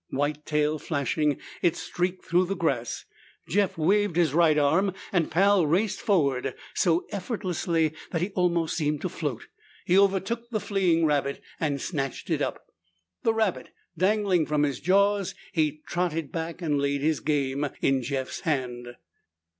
White tail flashing, it streaked through the grass. Jeff waved his right arm and Pal raced forward. So effortlessly that he almost seemed to float, he overtook the fleeing rabbit and snatched it up. The rabbit dangling from his jaws, he trotted back and laid his game in Jeff's hand.